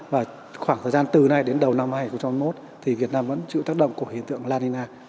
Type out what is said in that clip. và khoảng thời gian từ nay đến đầu năm hai nghìn hai mươi một thì việt nam vẫn chịu tác động của hiện tượng la nina